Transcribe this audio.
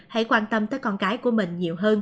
hãy quan tâm tới con cái của mình